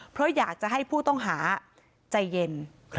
เพราะอยากจะให้ผู้ต้องหาใจเย็น